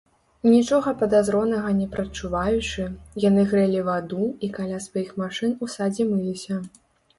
Нічога падазронага не прадчуваючы, яны грэлі ваду і каля сваіх машын у садзе мыліся.